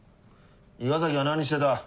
伊賀崎は何してた？